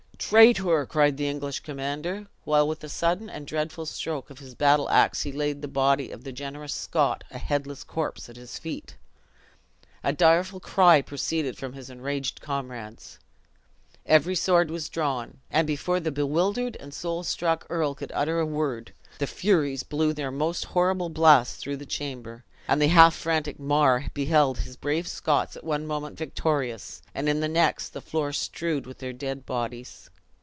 "Traitor!" cried the English commander, while with a sudden and dreadful stroke of his battle ax he laid the body of the generous Scot a headless corpse at his feet. A direful cry proceeded from his enraged comrades. Every sword was drawn; and before the bewildered and soul struck earl could utter a word, the Furies blew their most horrible blast through the chamber; and the half frantic Mar beheld his brave Scots at one moment victorious, and in the next the floor strewed with their dead bodies.